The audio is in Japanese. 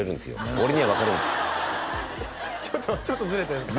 俺には分かるんですちょっとずれてるんですか？